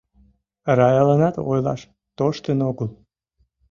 Раяланат ойлаш тоштын огыл.